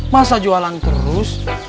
masa jualan terus